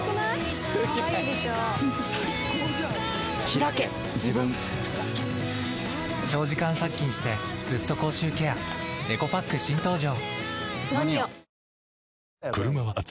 ひらけ自分長時間殺菌してずっと口臭ケアエコパック新登場！